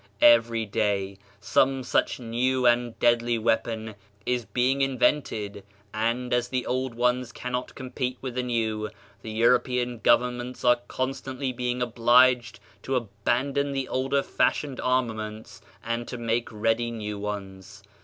Every day some such new and deadly weapon is being in vented and, as the old ones cannot compete with the new, the European governments arc constantly being obliged to abandon the older fashioned arma ments and to make ready new ones.